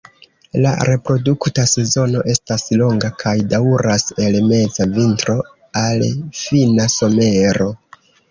La reprodukta sezono estas longa, kaj daŭras el meza vintro al fina somero.